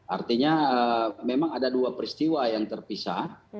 artinya memang ada dua peristiwa yang terpisah